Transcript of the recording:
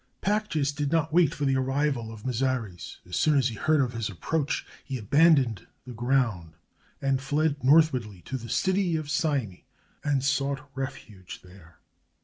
Pactyas did not wait for the arrival of Mazares. As soon as he heard of his approach, he abandoned the ground, and fled northwardly to the city of Cyme, and sought refuge there.